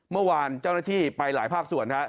เมื่อวานเจ้าหน้าที่ไปหลายภาคส่วนครับ